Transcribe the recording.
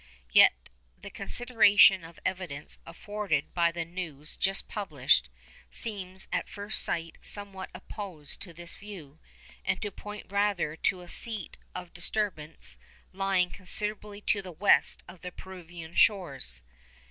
Yet the consideration of the evidence afforded by the news just published seems at first sight somewhat opposed to this view, and to point rather to a seat of disturbance lying considerably to the west of the Peruvian shores.